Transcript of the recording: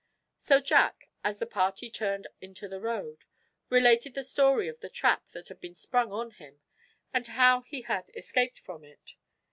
So Jack, as the party turned into the road, related the story of the trap that had been sprung on him, and how he had escaped from it.